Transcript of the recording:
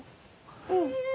うん。